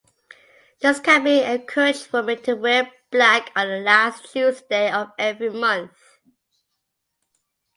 This campaign encouraged women to wear black on the last Tuesday of every month.